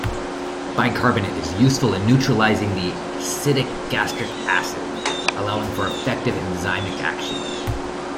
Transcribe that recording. Bicarbonate is useful in neutralizing the acidic gastric acid, allowing for effective enzymic action.